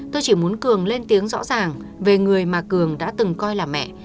tôi chỉ muốn cường lên tiếng rõ ràng về người mà cường đã từng coi là mẹ